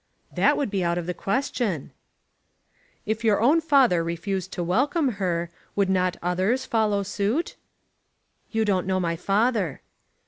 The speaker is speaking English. "That would be out of the question." "If your own father refused to welcome her, would not others follow suit?" "You don't know my father."